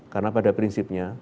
karena pada prinsipnya